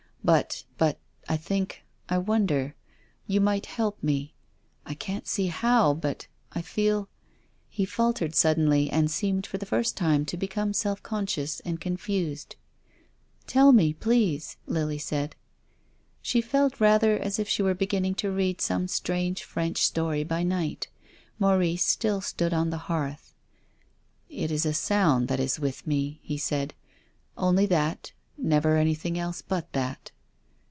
But — but — I think — I wonder — you might help me. I can't see how, but — I feel —" He faltered suddenly, and seemed for the first time to become self conscious and confused. " Tell me, please, " Lily said. She felt rather as if she were beginning to read some strange French story by night. Maurice still stood on the hearth. " It is a sound that is with me," he said. " Only that ; never anything else but that."